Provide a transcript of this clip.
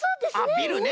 ビルね。